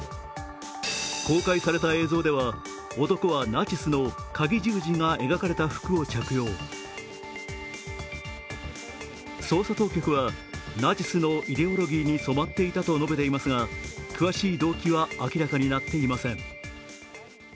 公開された映像では、男はナチスのかぎ十字が描かれた服を着用、捜査当局は、ナチスのイデオロギーに染まっていたと述べていますが詳しい動機は明らかになっていません。